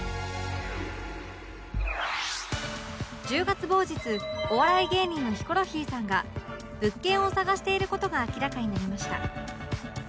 １０月某日お笑い芸人のヒコロヒーさんが物件を探している事が明らかになりました